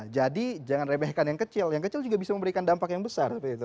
jadi jangan rebehkan yang kecil yang kecil juga bisa memberikan dampak yang besar